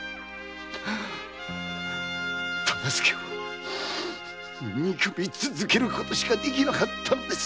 忠相を憎み続けることしかできなかったのです！